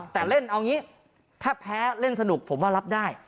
แต่เล่นเอาอย่างนี้ถ้าแพ้เล่นสนุกผมว่ารับได้